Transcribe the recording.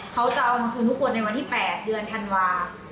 เขาจะเอามาคืนทุกคนในวันที่๘เดือนธันวาคม